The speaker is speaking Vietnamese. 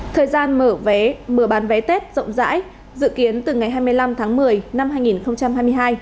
thời gian mở vé mở bán vé tết rộng rãi dự kiến từ ngày hai mươi năm tháng một mươi năm hai nghìn hai mươi hai